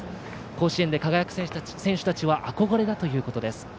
甲子園で輝く選手たちは憧れだということです。